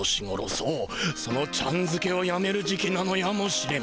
そうそのちゃんづけをやめる時期なのやもしれん。